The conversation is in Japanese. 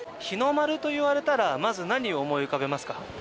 日の丸と言われたらまず何を思い浮かべますか？